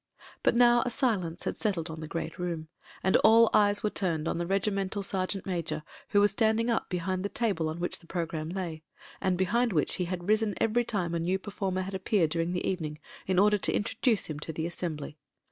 But now a silence had settled on the great room: and all eyes were turned on the regimental sergeant major, who was standing up behind the table on which the programme lay, and behind which he had risen every time a new performer had appeared during the evening, in order to introduce him to the assembly.